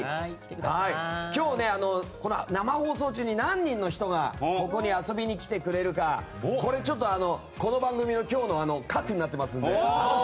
今日、生放送中に何人の人がここに遊びに来てくれるかこの番組の今日の核になっていますので。